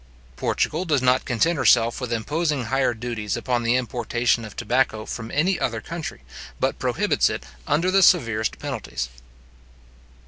Portugal does not content herself with imposing higher duties upon the importation of tobacco from any other country, but prohibits it under the severest penalties.